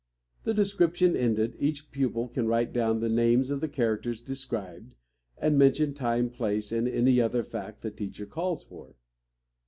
The description ended, each pupil can write down the names of the characters described, and mention time, place, and any other fact the teacher calls for.